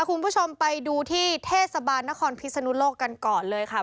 คุณผู้ชมไปดูที่เทศบาลนครพิศนุโลกกันก่อนเลยค่ะ